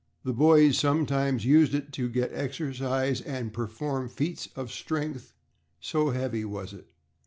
The boys sometimes used it to exercise and perform feats of strength with, so heavy was it.